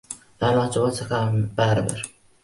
A’lochi bo‘lsa ham baribir.